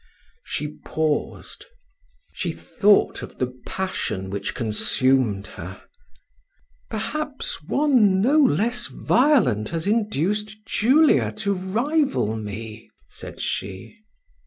She paused she thought of the passion which consumed her "Perhaps one no less violent has induced Julia to rival me," said she.